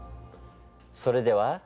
それでは。